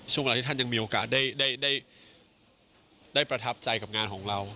ช่วงเวลาที่ท่านยังมีโอกาสได้ประทับใจกับงานของเรา